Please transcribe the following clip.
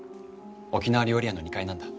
沖縄料理屋の２階なんだ。